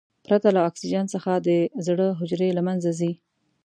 پرته له اکسیجن څخه د زړه حجرې له منځه ځي.